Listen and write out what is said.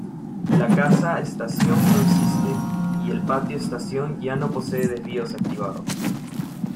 La casa estación no existe, y el patio estación ya no posee desvíos activados.